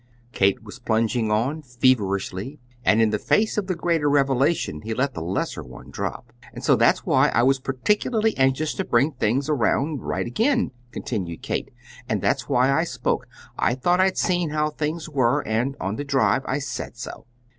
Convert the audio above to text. Kate was plunging on feverishly, and in the face of the greater revelation he let the lesser one drop. "And so that's why I was particularly anxious to bring things around right again," continued Kate. "And that's why I spoke. I thought I'd seen how things were, and on the drive I said so.